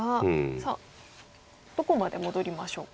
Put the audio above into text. さあどこまで戻りましょうか。